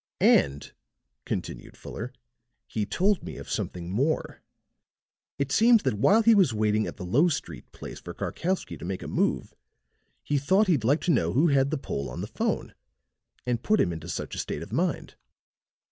And," continued Fuller, "he told me of something more. It seems while he was waiting at the Lowe Street place for Karkowsky to make a move, he thought he'd like to know who had the Pole on the 'phone and put him into such a state of mind.